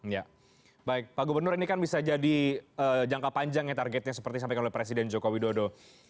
ya baik pak gubernur ini kan bisa jadi jangka panjang ya targetnya seperti disampaikan oleh presiden joko widodo